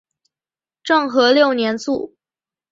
政和六年卒。